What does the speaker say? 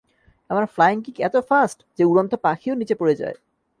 আমার flying kick এত fast, যে উড়ন্ত পাখিও নিচে পড়ে যায়।